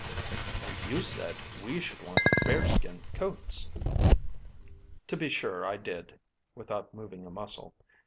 "And you said we should want bearskin coats." "To be sure I did," without moving a muscle.